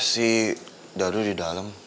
si dado di dalam